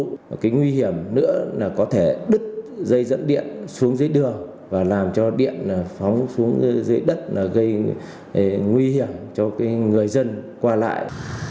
một cái nguy hiểm nữa là có thể đứt dây dẫn điện xuống dưới đường và làm cho điện phóng xuống dưới đất là gây nguy hiểm cho người dân qua lại